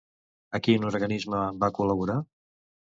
A quin organisme va col·laborar?